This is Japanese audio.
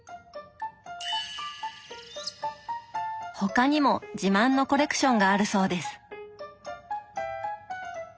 他にも自慢のコレクションがあるそうです。